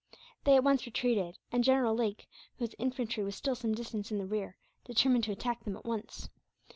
They at once retreated; and General Lake, whose infantry was still some distance in the rear, determined to attack them, at once.